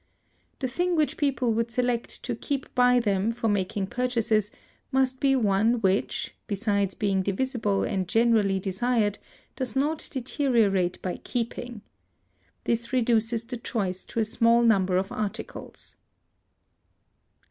The thing which people would select to keep by them for making purchases must be one which, besides being divisible and generally desired, does not deteriorate by keeping. This reduces the choice to a small number of articles.